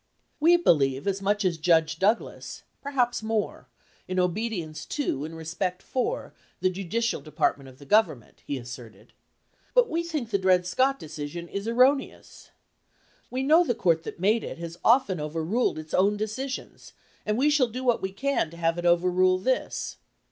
"We believe as much as Judge Douglas (per haps more) in obedience to and respect for the judicial department of government" he asserted. "But we think the Dred Scott decision is er roneous. We know the court that made it has often overruled its own decisions and we shall do what we can to have it overrule this.